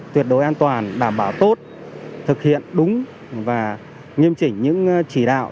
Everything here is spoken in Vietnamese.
tuyệt đối an toàn đảm bảo tốt thực hiện đúng và nghiêm chỉnh những chỉ đạo